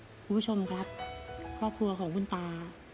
คุณผู้ชมครับครอบครัวของคุณตา